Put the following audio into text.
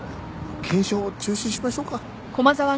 検証を中止しましょうか。